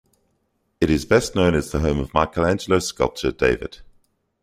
It is best known as the home of Michelangelo's sculpture "David".